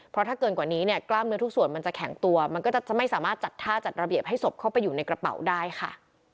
เพราะถ้าเกินกว่านี้เนี่ยกล้ามเนื้อทุกส่วนมันจะแข็งตัวมันก็จะไม่สามารถจัดท่าจัดระเบียบให้ศพเข้าไปอยู่ในกระเป๋าได้ค่ะ